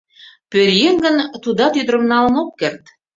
Пӧръеҥ гын, тудат ӱдырым налын ок керт.